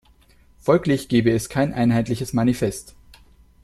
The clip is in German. Folglich gebe es kein einheitliches Manifest.